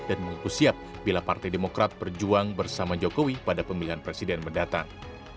dan mengukus siap bila partai demokrat berjuang bersama jokowi pada pemilihan presiden mendatang